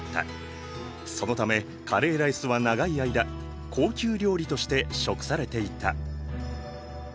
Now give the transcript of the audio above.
そのためカレーライスは長い間高級料理として食されていた。